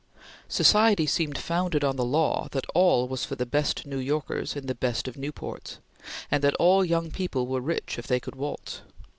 Society seemed founded on the law that all was for the best New Yorkers in the best of Newports, and that all young people were rich if they could waltz.